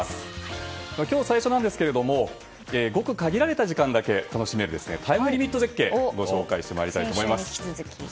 今日、最初なんですがごく限られた時間だけ楽しめるタイムリミット絶景をご紹介したいと思います。